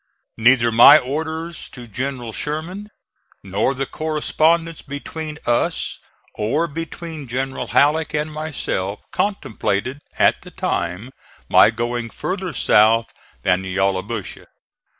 Neither my orders to General Sherman, nor the correspondence between us or between General Halleck and myself, contemplated at the time my going further south than the Yallabusha.